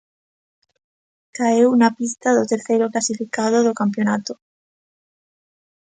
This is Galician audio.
Caeu na pista do terceiro clasificado do campionato.